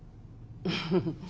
フフフ。